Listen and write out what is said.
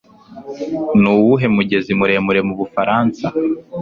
Nuwuhe mugezi muremure mubufaransa